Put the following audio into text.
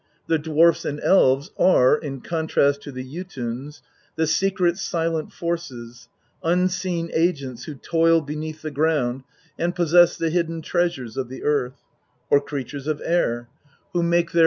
The dwarfs and elves are, in contrast to the Jotuns, the secret, silent forces, unseen agents who toil beneath the ground and possess the hidden treasures of the earth ; or creatures of air, who make their xx THE POETIC EDDA.